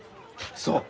そう！